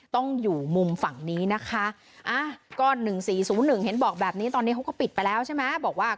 ต้องอยู่มุมฝั่งนี้นะคะก็๑๔๐๑เห็นบอกแบบนี้ตอนนี้เขาก็ปิดไปแล้วใช่ไหมบอกว่า